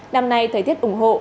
năm nay thời tiết ủng hộ